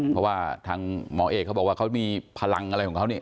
เพราะว่าทางหมอเอกเขาบอกว่าเขามีพลังอะไรของเขานี่